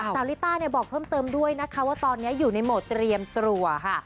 ลิต้าเนี่ยบอกเพิ่มเติมด้วยนะคะว่าตอนนี้อยู่ในโหมดเตรียมตัวค่ะ